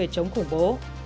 chống khủng bố